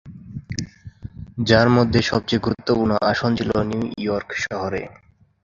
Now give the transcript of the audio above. যার মধ্যে সবচেয়ে গুরুত্বপূর্ণ আসন ছিল নিউ ইয়র্ক শহরে।